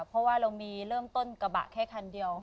เพราะว่าเรามีเริ่มต้นกระบะแค่คันเดียว